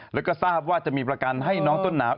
แล้วก็ทราบว่าจะมีประกันให้น้องต้นหนาว